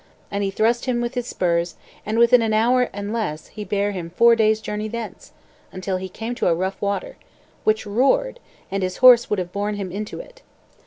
And he thrust him with his spurs, and within an hour and less he bare him four days' journey thence, until he came to a rough water, which roared, and his horse would have borne him into it.